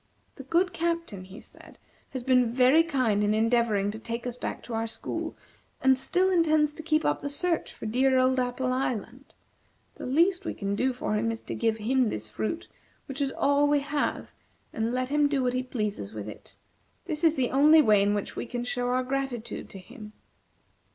"The good Captain," he said, "has been very kind in endeavoring to take us back to our school, and still intends to keep up the search for dear old Apple Island. The least we can do for him is to give him this fruit, which is all we have, and let him do what he pleases with it. This is the only way in which we can show our gratitude to him."